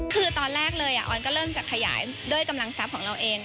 คือตอนแรกเลยออนก็เริ่มจะขยายด้วยกำลังทรัพย์ของเราเอง